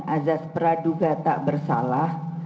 azas peraduga tak bersalah